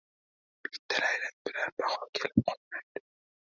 • Bitta laylak bilan bahor kelib qolmaydi.